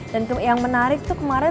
dan yang menarik itu kemarin